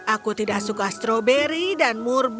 aku tidak suka stroberi dan murban